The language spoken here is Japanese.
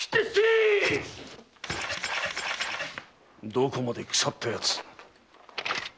どこまで腐った奴！